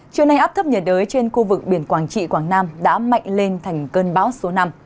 trưa nay áp thấp nhiệt đới trên khu vực biển quảng trị quảng nam đã mạnh lên thành cơn bão số năm